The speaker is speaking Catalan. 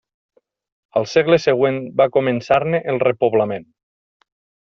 Al segle següent va començar-ne el repoblament.